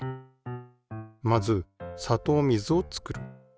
まずさとう水を作る。